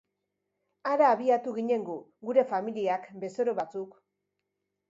Hara abiatu ginen gu, gure familiak, bezero batzuk...